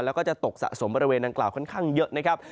แล้วก็จะตกสะสมบริเวณดังกล่าวค่อนข้างเยอะนะครับ